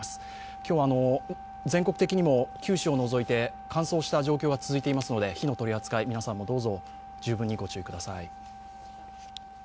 今日、全国的にも九州を除いて乾燥した状況が続いていますので火の取り扱い、皆さんも、どうぞ十分にご注意ください。